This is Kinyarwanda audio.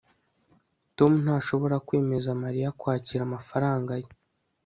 tom ntashobora kwemeza mariya kwakira amafaranga ye